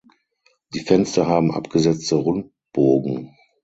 Die Fenster haben abgesetzte Rundbogen.